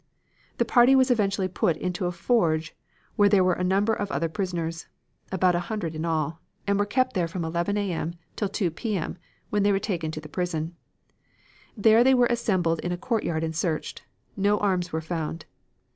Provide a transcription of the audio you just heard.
"The party was eventually put into a forge where there were a number of other prisoners, about a hundred in all, and were kept there from 11 A. M. till 2 P. M. They were then taken to the prison. There they were assembled in a courtyard and searched. No arms were found.